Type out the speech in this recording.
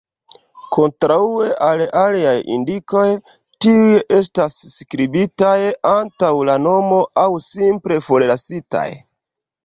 Kontraŭe al aliaj indikoj, tiuj estas skribitaj antaŭ la nomo, aŭ simple forlasitaj.